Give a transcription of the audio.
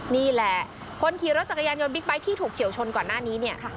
นี่แหละคนขี่รถจักรยานยนตบิ๊กไบท์ที่ถูกเฉียวชนก่อนหน้านี้เนี่ย